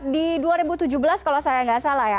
di dua ribu tujuh belas kalau saya nggak salah ya